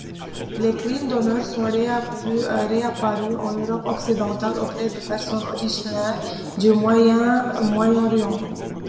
Les crimes d'honneur sont réapparus en Europe occidentale auprès des personnes originaires du Moyen-Orient.